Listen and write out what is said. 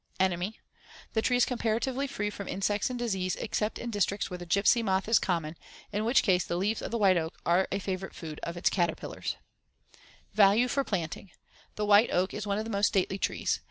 Enemies: The tree is comparatively free from insects and disease except in districts where the Gipsy moth is common, in which case the leaves of the white oak are a favorite food of its caterpillars. [Illustration: FIG. 59. Bark of Black Oak. (Quercus velutina).] Value for planting: The white oak is one of the most stately trees.